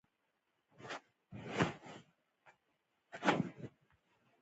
زاړه وون د نوي وون معادل شول.